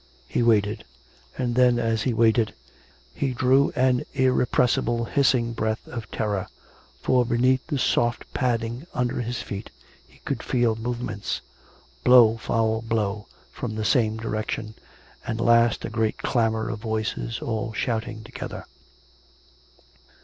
He waited; ... and then, as he Avaited, he drew an irrepressible hiss ing breath of terror, for beneath the soft padding under his feet he could feel movements; blow follow blow, from the same direction, and last a great clamour of voices all shouting together.